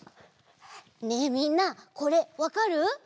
ねえみんなこれわかる？